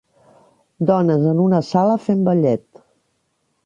Dones en una sala fent ballet.